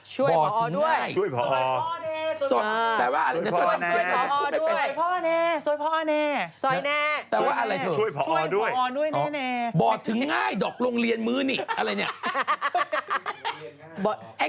ช่วยพอด้วยช่วยพอแน่สุดมากช่วยพอแน่ช่วยพอแน่ซอยพอแน่ซอยพอแน่